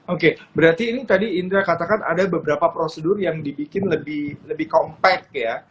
oke berarti ini tadi indra katakan ada beberapa prosedur yang dibikin lebih compact ya